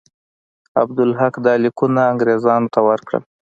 عبدالحق دا لیکونه انګرېزانو ته ورکړل.